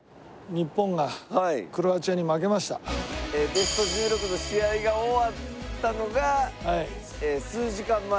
ベスト１６の試合が終わったのが数時間前。